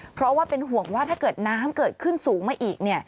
เพราะว่าเป็นห่วงว่าถ้าเกิดน้ำเกิดขึ้นสูงมาอีก